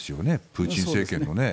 プーチン政権のね。